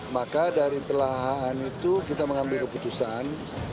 maka dari telahan itu kita mengambil keputusan